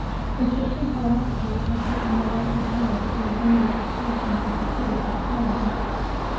If the three philosophers had taken their walk abroad in any other portion of the city of Haarlem....